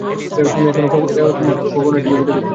তুমি কি কখনও এটি ভেবে দেখেছো?